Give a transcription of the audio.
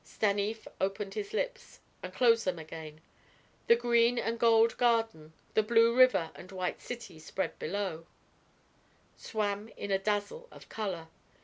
Stanief opened his lips, and closed them again. The green and gold garden, the blue river and white city spread below, swam in a dazzle of color.